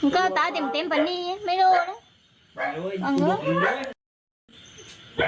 ทำตาเต็มแบบนี้ไม่รู้นะ